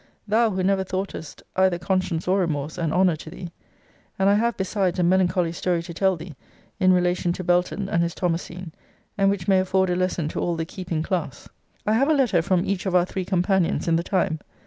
Thou who never thoughtest either conscience or remorse an honour to thee. And I have, besides, a melancholy story to tell thee, in relation to Belton and his Thomasine; and which may afford a lesson to all the keeping class. I have a letter from each of our three companions in the time.